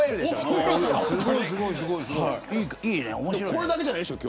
これだけじゃないでしょ。